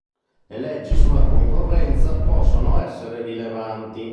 Le leggi sulla concorrenza possono essere rilevanti.